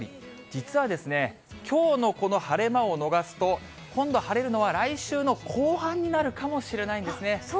実はきょうのこの晴れ間を逃すと、今度晴れるのは、来週の後半になそうなんですね。